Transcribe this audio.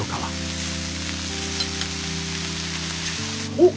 おっ！